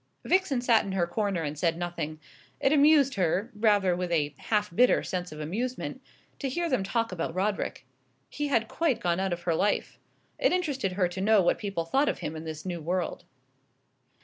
Vixen sat in her corner and said nothing. It amused her rather with a half bitter sense of amusement to hear them talk about Roderick. He had quite gone out of her life. It interested her to know what people thought of him in his new world.